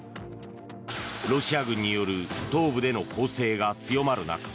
ロシア軍による東部での攻勢が強まる中